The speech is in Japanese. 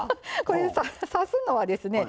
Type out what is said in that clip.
刺すのはですね